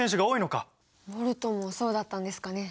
ボルトもそうだったんですかね？